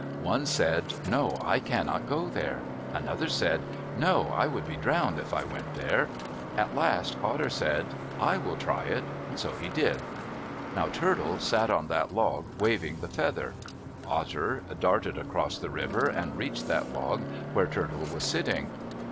One said, "No, I cannot go there." Another said, "No, I would be drowned if I went there." At last Otter said, "I will try it." So he did. Now Turtle sat on that log waving the feather. Otter darted across the river and reached that log where Turtle was sitting.